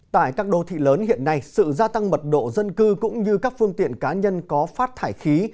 tại các đô thị lớn hiện nay sự gia tăng mật độ dân cư cũng như các phương tiện cá nhân có phát thải khí